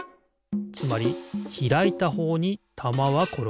つまりひらいたほうにたまはころがる。